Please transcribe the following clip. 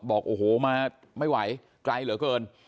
บอกโอ้โหมาไม่ไหวไกลเหลือเกิน